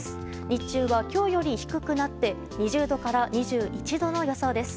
日中は今日より低くなって２０度から２１度の予想です。